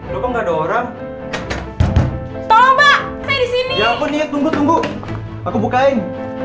lo kok nggak ada orang tolong pak saya disini ya ampun nih tunggu tunggu aku bukain